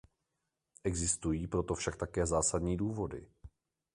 Existují pro to však také zásadní důvody.